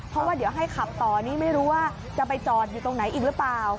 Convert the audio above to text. เพราะว่าเดี๋ยวให้ขับต่อนี่ไม่รู้ว่าจะไปจอดอยู่ตรงไหนอีกหรือเปล่า